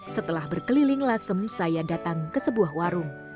setelah berkeliling lasem saya datang ke sebuah warung